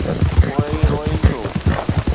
پوءِ روئين ڇو؟